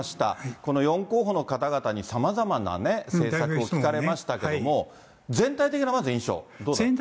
この４候補の方々に、さまざまなね、政策を聞かれましたけれども、全体的なまず印象、どうだった。